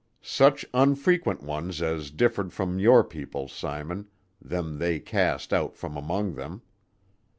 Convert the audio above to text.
Such unfrequent ones as differed from your people, Simon, them they cast out from among them.